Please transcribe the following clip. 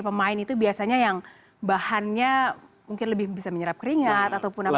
pemain itu biasanya yang bahannya mungkin lebih bisa menyerap keringat ataupun apa